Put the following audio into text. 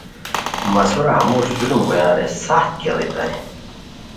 مہ سورا ہموݰ ظلم کویان رے سخت کیڑیتائے